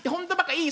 いい？